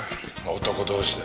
男同士で。